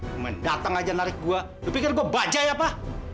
cuma dateng aja narik gua lu pikir gua bajay apa